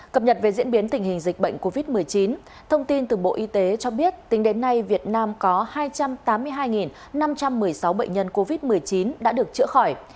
cập nhật về diễn biến tình hình dịch bệnh covid một mươi chín thông tin từ bộ y tế cho biết tính đến nay việt nam có hai trăm tám mươi hai năm trăm một mươi sáu bệnh nhân covid một mươi chín đã được chữa khỏi